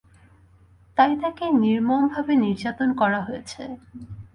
তাই তাকে নির্মমভাবে নির্যাতন করা হয়েছে।